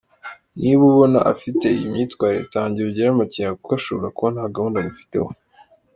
Niba ubona afite iyi myitwarire tangira ugire amakenga kuko ashobora kuba ntagahunda agufiteho.